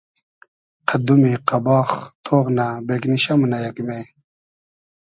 قئد دومی قئباغ تۉغ نۂ ، بېگنیشۂ مونۂ یئگمې